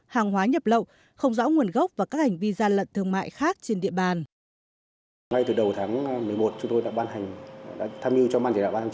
hàng hóa nhập lậu không rõ nguồn gốc và các hành vi gian lận thương mại khác trên địa bàn